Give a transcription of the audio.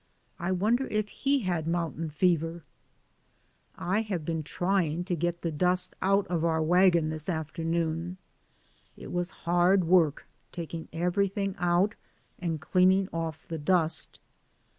I wonder if he had mountain fever ? I have been trying to get the dust out of our wagon this afternoon ; it was hard work taking everything out and cleaning off the dust.